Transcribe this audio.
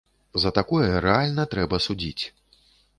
За такое рэальна трэба судзіць.